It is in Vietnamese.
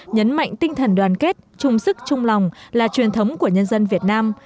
nhấn mạnh tinh thần đoàn kết chung sức chung lòng là truyền thống của nhân dân việt nam